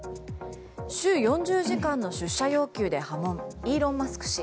週４０時間の出社要求で波紋イーロン・マスク氏。